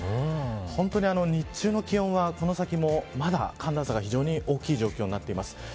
本当に日中の気温はこの先もまだ寒暖差が非常に大きい状況になっています。